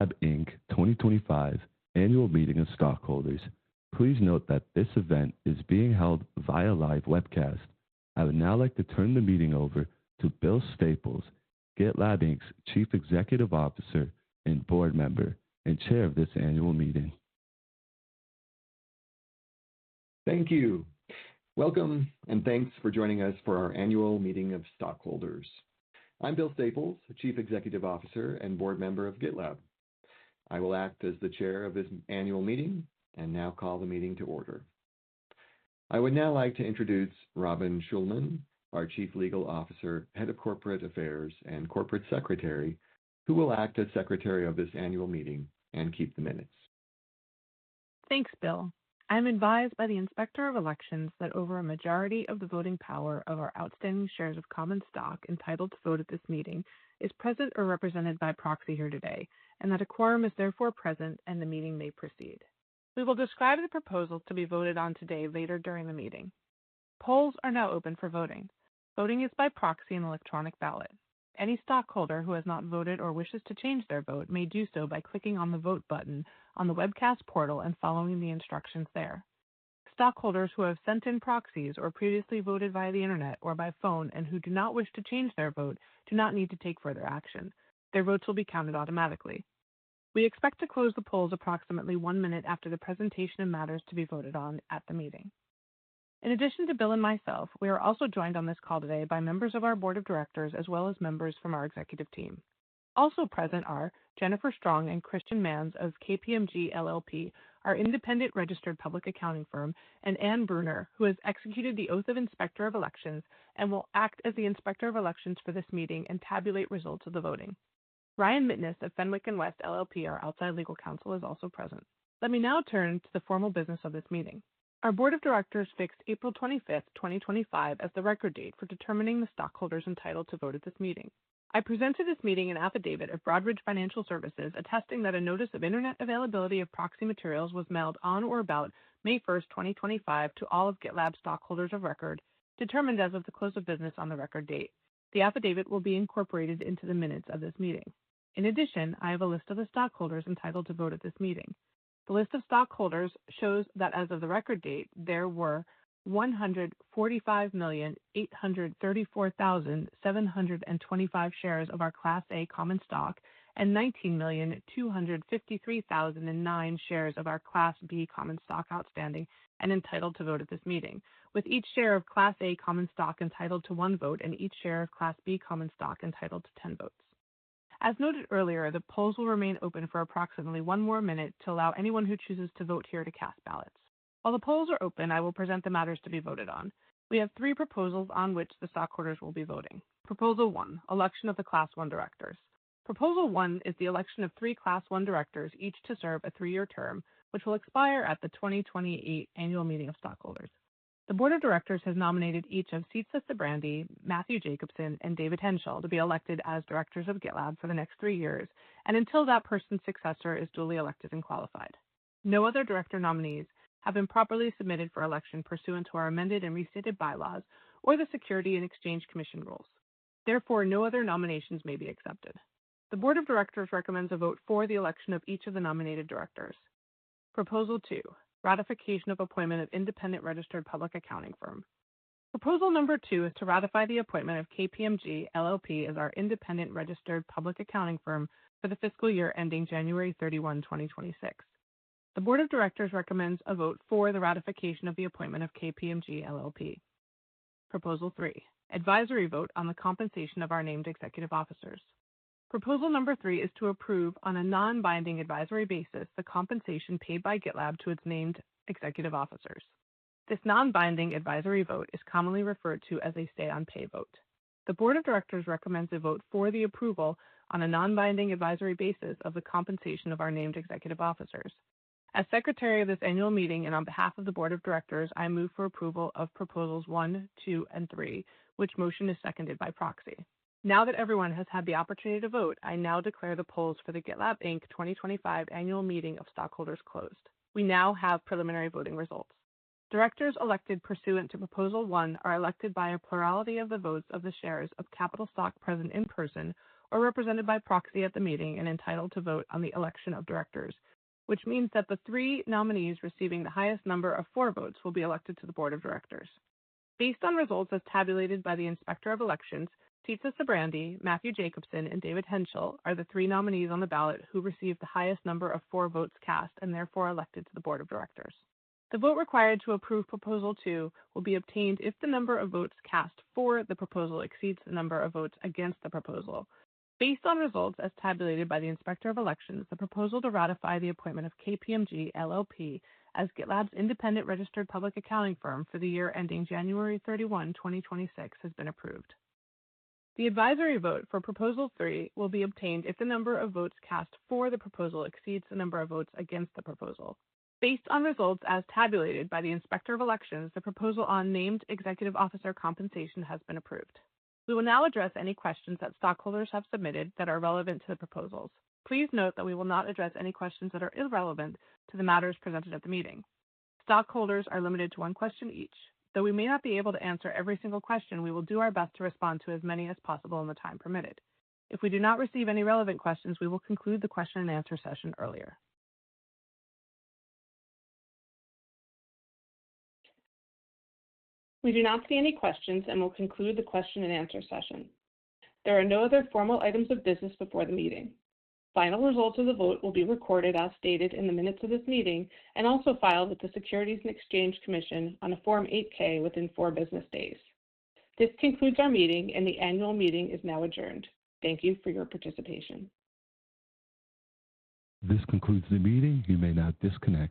GitLab 2025 Annual Meeting of Stockholders. Please note that this event is being held via live webcast. I would now like to turn the meeting over to Bill Staples, GitLab's Chief Executive Officer and Board Member, and Chair of this Annual Meeting. Thank you. Welcome, and thanks for joining us for our Annual Meeting of Stockholders. I'm Bill Staples, Chief Executive Officer and Board Member of GitLab. I will act as the Chair of this Annual Meeting and now call the meeting to order. I would now like to introduce Robin Schulman, our Chief Legal Officer, Head of Corporate Affairs, and Corporate Secretary, who will act as Secretary of this Annual Meeting and keep the minutes. Thanks, Bill. I'm advised by the Inspector of Elections that over a majority of the voting power of our outstanding shares of common stock entitled to vote at this meeting is present or represented by proxy here today, and that a quorum is therefore present and the meeting may proceed. We will describe the proposals to be voted on today later during the meeting. Polls are now open for voting. Voting is by proxy and electronic ballot. Any stockholder who has not voted or wishes to change their vote may do so by clicking on the Vote button on the webcast portal and following the instructions there. Stockholders who have sent in proxies or previously voted via the internet or by phone and who do not wish to change their vote do not need to take further action. Their votes will be counted automatically. We expect to close the polls approximately one minute after the presentation of matters to be voted on at the meeting. In addition to Bill and myself, we are also joined on this call today by members of our Board of Directors as well as members from our executive team. Also present are Jennifer Strong and Christian Mann of KPMG LLP, our independent registered public accounting firm, and Anne Bruner, who has executed the oath of Inspector of Elections and will act as the Inspector of Elections for this meeting and tabulate results of the voting. Ryan Mitteness of Fenwick & West LLP, our outside legal counsel, is also present. Let me now turn to the formal business of this meeting. Our Board of Directors fixed April 25th, 2025, as the record date for determining the stockholders entitled to vote at this meeting. I presented this meeting an affidavit of Broadridge Financial Solutions attesting that a notice of internet availability of proxy materials was mailed on or about May 1, 2025, to all of GitLab's stockholders of record, determined as of the close of business on the record date. The affidavit will be incorporated into the minutes of this meeting. In addition, I have a list of the stockholders entitled to vote at this meeting. The list of stockholders shows that as of the record date, there were 145,834,725 shares of our Class A common stock and 19,253,009 shares of our Class B common stock outstanding and entitled to vote at this meeting, with each share of Class A common stock entitled to one vote and each share of Class B common stock entitled to 10 votes. As noted earlier, the polls will remain open for approximately one more minute to allow anyone who chooses to vote here to cast ballots. While the polls are open, I will present the matters to be voted on. We have three proposals on which the stockholders will be voting. Proposal one, election of the Class One Directors. Proposal one is the election of three Class One Directors, each to serve a three-year term, which will expire at the 2028 Annual Meeting of Stockholders. The Board of Directors has nominated each of Sid Sijbrandij, Matthew Jacobson, and David Henshall to be elected as Directors of GitLab for the next three years, and until that person's successor is duly elected and qualified. No other director nominees have been properly submitted for election pursuant to our amended and restated bylaws or the Securities and Exchange Commission rules. Therefore, no other nominations may be accepted. The Board of Directors recommends a vote for the election of each of the nominated directors. Proposal two, ratification of appointment of independent registered public accounting firm. Proposal number two is to ratify the appointment of KPMG LLP as our independent registered public accounting firm for the fiscal year ending January 31, 2026. The Board of Directors recommends a vote for the ratification of the appointment of KPMG LLP. Proposal three, advisory vote on the compensation of our named executive officers. Proposal number three is to approve, on a non-binding advisory basis, the compensation paid by GitLab to its named executive officers. This non-binding advisory vote is commonly referred to as a say-on-pay vote. The Board of Directors recommends a vote for the approval, on a non-binding advisory basis, of the compensation of our named executive officers. As Secretary of this Annual Meeting and on behalf of the Board of Directors, I move for approval of Proposals one, two, and three, which motion is seconded by proxy. Now that everyone has had the opportunity to vote, I now declare the polls for the GitLab 2025 Annual Meeting of Stockholders closed. We now have preliminary voting results. Directors elected pursuant to Proposal one are elected by a plurality of the votes of the shares of capital stock present in person or represented by proxy at the meeting and entitled to vote on the election of directors, which means that the three nominees receiving the highest number of votes will be elected to the Board of Directors. Based on results as tabulated by the Inspector of Elections, Sid Sijbrandij, Matthew Jacobson, and David Henshall are the three nominees on the ballot who received the highest number of four votes cast and therefore elected to the Board of Directors. The vote required to approve Proposal two will be obtained if the number of votes cast for the proposal exceeds the number of votes against the proposal. Based on results as tabulated by the Inspector of Elections, the proposal to ratify the appointment of KPMG LLP as GitLab's independent registered public accounting firm for the year ending January 31, 2026, has been approved. The advisory vote for Proposal three will be obtained if the number of votes cast for the proposal exceeds the number of votes against the proposal. Based on results as tabulated by the Inspector of Elections, the proposal on named executive officer compensation has been approved. We will now address any questions that stockholders have submitted that are relevant to the proposals. Please note that we will not address any questions that are irrelevant to the matters presented at the meeting. Stockholders are limited to one question each. Though we may not be able to answer every single question, we will do our best to respond to as many as possible in the time permitted. If we do not receive any relevant questions, we will conclude the question and answer session earlier. We do not see any questions and will conclude the question and answer session. There are no other formal items of business before the meeting. Final results of the vote will be recorded as stated in the minutes of this meeting and also filed with the Securities and Exchange Commission on a Form 8-K within four business days. This concludes our meeting, and the Annual Meeting is now adjourned. Thank you for your participation. This concludes the meeting. You may now disconnect.